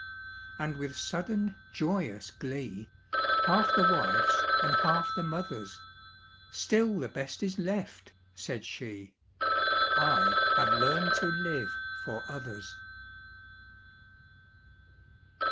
And with sudden, joyous glee, Half the wife's and half the mother's, "Still the best is left," said she: "I have learned to live for others."